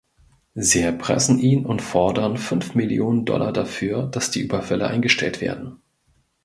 Sie erpressen ihn und fordern fünf Millionen Dollar dafür, dass die Überfälle eingestellt werden.